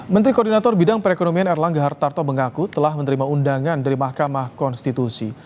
menteri koordinator bidang perekonomian erlangga hartarto mengaku telah menerima undangan dari mahkamah konstitusi